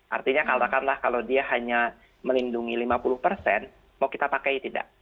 artinya katakanlah kalau dia hanya melindungi lima puluh persen mau kita pakai tidak